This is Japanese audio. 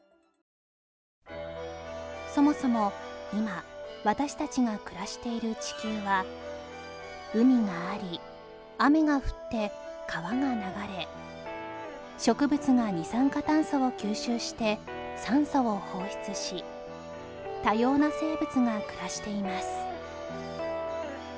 そもそも今私たちが暮らしている地球は海があり雨が降って川が流れ植物が二酸化炭素を吸収して酸素を放出し多様な生物が暮らしています